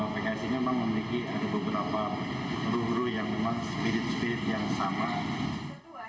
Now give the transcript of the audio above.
pks ini memang memiliki beberapa guru guru yang memang spirit spirit yang sama